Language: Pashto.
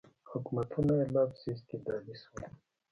حکومتونه یې لا پسې استبدادي شول.